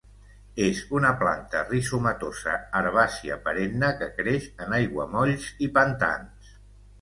És una planta rizomatosa, herbàcia perenne que creix en aiguamolls i pantans.